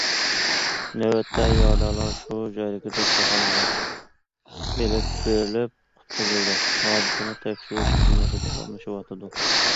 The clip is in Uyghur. نۆۋەتتە، يارىدارلار شۇ جايدىكى دوختۇرخانىغا ئېلىپ بېرىلىپ قۇتقۇزۇلدى، ھادىسىنى تەكشۈرۈش خىزمىتى داۋاملىشىۋاتىدۇ.